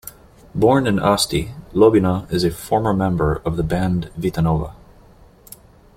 Born in Asti, Lobina is a former member of the band Vitanova.